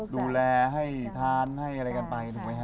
ดูแลให้ทานให้อะไรกันไปถูกไหมฮะ